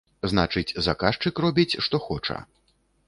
Значыць, заказчык робіць, што хоча.